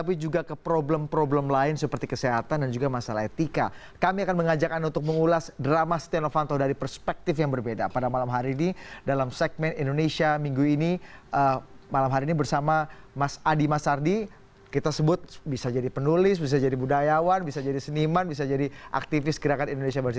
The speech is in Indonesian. pada malam hari ini dalam segmen indonesia minggu ini malam hari ini bersama mas adi masardi kita sebut bisa jadi penulis bisa jadi budayawan bisa jadi seniman bisa jadi aktivis gerakan indonesia baru